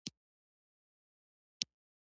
ایا زه باید تریخ خواړه وخورم؟